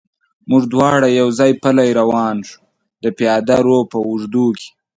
موږ دواړه یو ځای پلی روان شو، د پیاده رو په اوږدو کې.